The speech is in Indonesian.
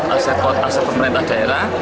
aset aset pemerintah daerah